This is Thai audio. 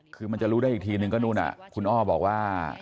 คือมันจะรู้ได้อีกทีนึงก็นู่นคุณอ้อบอกว่า